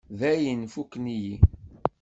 Dayen, fukken-iyi.